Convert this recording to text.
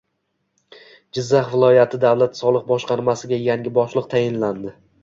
Jizzax viloyat davlat soliq boshqarmasiga yangi boshliq tayinlandi